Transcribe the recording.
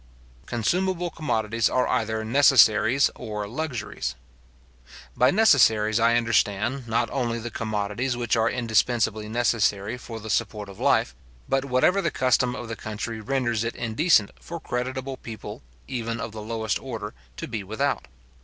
Consumable commodities are either necessaries or luxuries. By necessaries I understand, not only the commodities which are indispensibly necessary for the support of life, but whatever the custom of the country renders it indecent for creditable people, even of the lowest order, to be without.